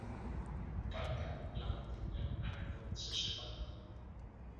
Per tant, la mantindrem en actualització permanent.